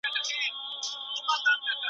څه وخت خصوصي سکتور موټرونه هیواد ته راوړي؟